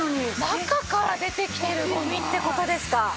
中から出てきてるゴミって事ですか。